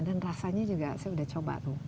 dan rasanya juga saya sudah coba tuh